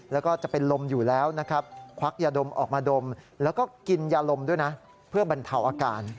แล้วก็จะเป็นลมอยู่แล้วนะครับควักยาดมออกมาดมแล้วก็กินยาลมด้วยนะเพื่อบรรเทาอาการ